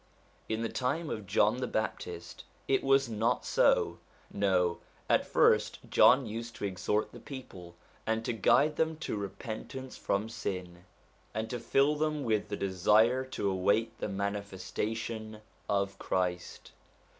In the time of John the Baptist it was not so ; no, at first John used to exhort the people, and to guide them to repentance from sin, and to fill them with the desire 110 SOME ANSWERED QUESTIONS to await the manifestation of Christ.